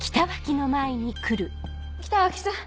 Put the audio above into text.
北脇さん